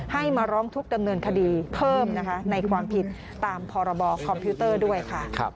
ให้มาร้องทุกข์ดำเนินคดีเพิ่มนะคะในความผิดตามพรบคอมพิวเตอร์ด้วยค่ะ